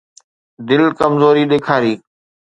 دل ڪمزوري ڏيکاري.